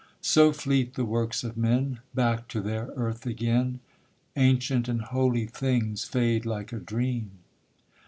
So fleet the works of men, back to their earth again; Ancient and holy things fade like a dream.